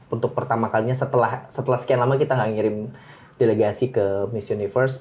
untuk pertama kalinya setelah sekian lama kita nggak ngirim delegasi ke miss universe